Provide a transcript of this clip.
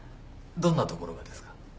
どんなところがですか？